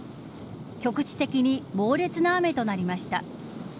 局地的に猛烈な雨となりました。